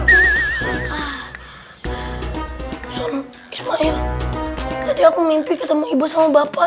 ismail tadi aku mimpi ketemu ibu sama bapak